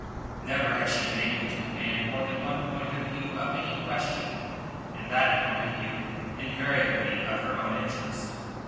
Never had she been able to command more than one point of view of any question, and that point of view invariably of her own interest.